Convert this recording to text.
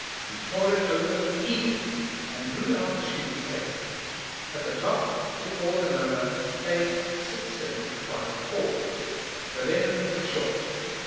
He tore it open eagerly and drew out a sheet of paper. At the top it bore the number A6754. The letter was short.